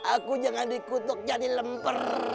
aku jangan dikutuk jadi lemper